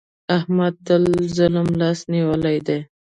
احمد تل د ظالم لاس نيولی دی.